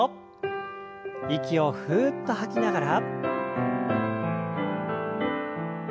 息をふっと吐きながら。